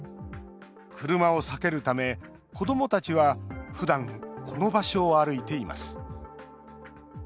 車を避けるため子どもたちは、ふだんこの場所を歩いています。